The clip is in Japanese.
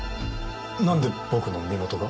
なんで僕の身元が？